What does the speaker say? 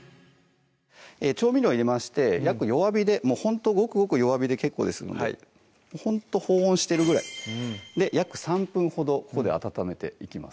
調味料入れまして約弱火でほんとごくごく弱火で結構ですのでほんと保温してるぐらいで約３分ほどここで温めていきます